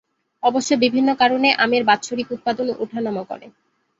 অবশ্য বিভিন্ন কারণে আমের বাৎসরিক উৎপাদন ওঠানামা করে।